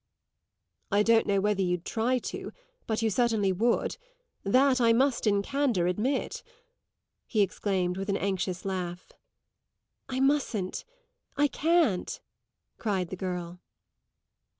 "I don't know whether you'd try to, but you certainly would: that I must in candour admit!" he exclaimed with an anxious laugh. "I mustn't I can't!" cried the girl.